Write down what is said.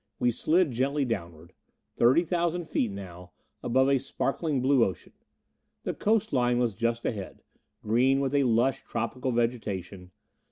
We slid gently downward. Thirty thousand feet now, above a sparkling blue ocean. The coastline was just ahead: green with a lush, tropical vegetation.